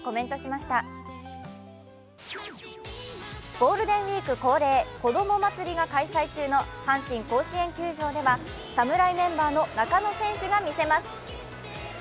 ゴールデンウイーク恒例こどもまつりが開催中の阪神甲子園球場では侍メンバーの中野選手が見せます。